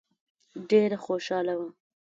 ډېره خوشاله وه.